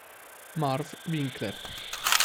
Marv Winkler